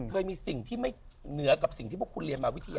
เคยมีสิ่งที่ไม่เหนือกับสิ่งที่พวกคุณเรียนมาวิทยา